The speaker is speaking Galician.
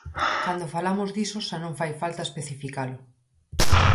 Cando falamos diso xa non fai falta especificalo.